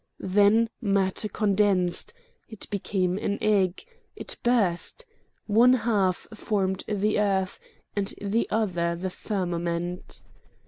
"Then Matter condensed. It became an egg. It burst. One half formed the earth and the other the firmament.